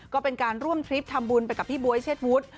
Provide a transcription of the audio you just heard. ก็เป็นการร่วมทริปทำบุญไปกับพี่บ๊วยเชษวุฒิ